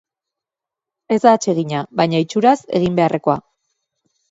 Ez da atsegina baina, itxuraz, egin beharrekoa.